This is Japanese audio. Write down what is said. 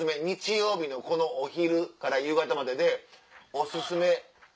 日曜日のお昼から夕方まででおすすめ。